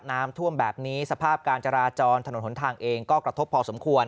น้ำท่วมแบบนี้สภาพการจราจรถนนหนทางเองก็กระทบพอสมควร